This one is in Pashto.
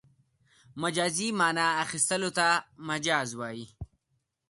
مجازي مانا اخستلو ته مجاز وايي.